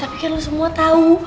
tapi kan lo semua tahu